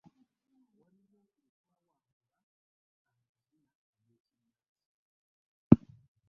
Waliwo lwe twawangula amazina agekinnasi.